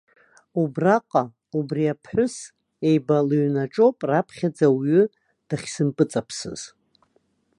Убраҟа, убри аԥҳәыс еиба лыҩнаҿоуп раԥхьаӡа ауаҩы дахьсымпыҵаԥсыз.